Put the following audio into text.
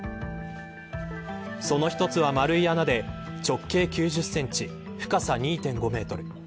その一つは丸い穴で直径９０センチ深さ２．５メートル。